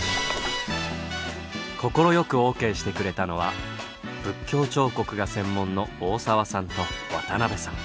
快くＯＫしてくれたのは仏教彫刻が専門の大澤さんと渡辺さん。